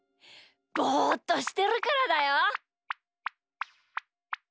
ぼっとしてるからだよ。